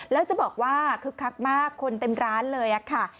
แล้วจะบอกว่าคึกคักมากคนเต็มร้านเลยค่ะ